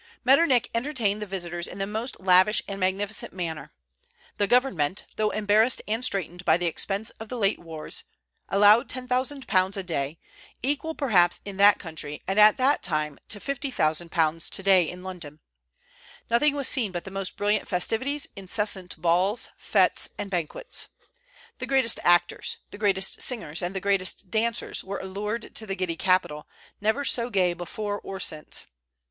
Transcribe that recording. Metternich entertained the visitors in the most lavish and magnificent manner. The government, though embarrassed and straitened by the expense of the late wars, allowed £10,000 a day, equal perhaps in that country and at that time to £50,000 to day in London. Nothing was seen but the most brilliant festivities, incessant balls, fêtes, and banquets. The greatest actors, the greatest singers, and the greatest dancers were allured to the giddy capital, never so gay before or since.